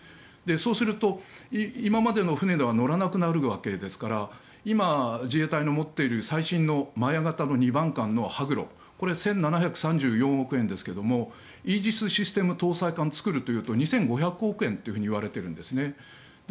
そうすると今までの船では載らなくなるわけですから今、自衛隊の持っている最新の摩耶型の２番艦「羽黒」これは１７４０億円ですがイージスシステム搭載艦を造るとなると２５００億円といわれているんです。